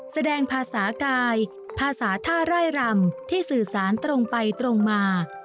แสดงภาษากายภาษาท่าร่ายรำที่สื่อสารตรงไปตรงมา